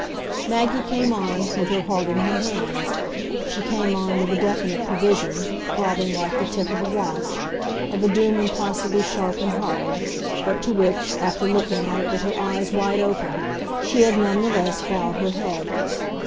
Maggie came on with her heart in her hands; she came on with the definite prevision, throbbing like the tick of a watch, of a doom impossibly sharp and hard, but to which, after looking at it with her eyes wide open, she had none the less bowed her head.